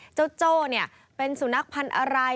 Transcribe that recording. โจ้เป็นสุนัขพันธุ์อะไร